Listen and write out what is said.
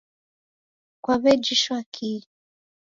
Kwaw'ejishwa kii?